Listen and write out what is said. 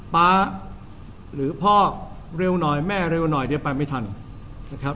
ป๊าหรือพ่อเร็วหน่อยแม่เร็วหน่อยเดี๋ยวไปไม่ทันนะครับ